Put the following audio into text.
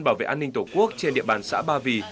bảo vệ an ninh tổ quốc trên địa bàn xã ba vì